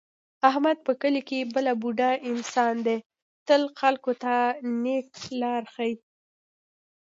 احمد په کلي کې بله ډېوه انسان دی، تل خلکو ته نېکه لاره ښي.